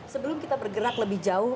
sebelum kita bergerak lebih jauh